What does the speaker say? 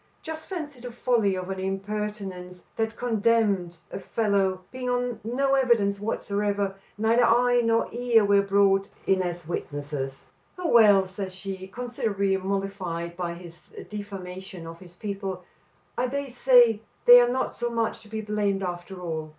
"Just fancy the folly of an impertinence that condemned a fellow being on no evidence whatsoever; neither eye nor ear were brought in as witnesses." "Oh, well," says she, considerably mollified by his defamation of his people, "I dare say they are not so much to be blamed after all.